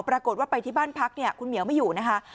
ปรากฏว่าไปที่บ้านพักเนี่ยคุณเหมียวไม่อยู่นะคะ